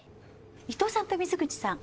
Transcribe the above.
伊藤さんと水口さん